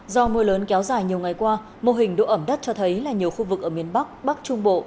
do mưa lớn kéo dài nhiều ngày qua mô hình độ ẩm đất cho thấy là nhiều khu vực ở miền bắc bắc trung bộ